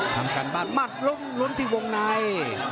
ทำการบ้านมัดลุ้งลุ้นที่วงนาย